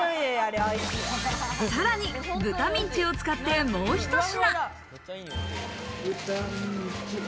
さらに豚ミンチを使って、もうひと品。